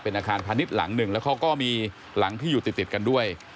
อาคารพาณิชย์หลังหนึ่งแล้วเขาก็มีหลังที่อยู่ติดกันด้วย